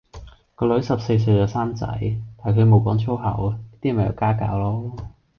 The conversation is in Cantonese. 個女十四歲就生仔，但係佢無講粗口，呢啲咪有家教囉